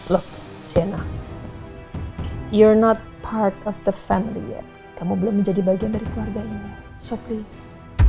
lo sienna you're not part of the family kamu belum menjadi bagian dari keluarga ini so please